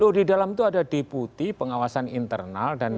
loh di dalam itu ada deputi pengawasan internal